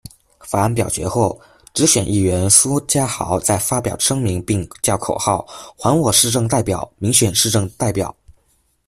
法案表决后，直选议员苏嘉豪在发表声明并叫口号：「还我市政代表，民选市政代表！